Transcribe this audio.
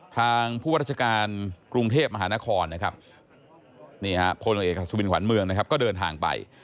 ทางผู้วัตถการกรุงเทพมหานครโพลงเอกสาสมินขวานเมืองก็เดินทางไป